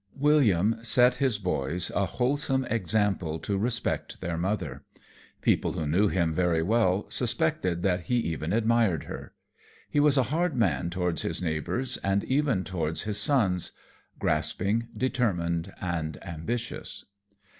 William set his boys a wholesome example to respect their mother. People who knew him very well suspected that he even admired her. He was a hard man towards his neighbors, and even towards his sons; grasping, determined and ambitious.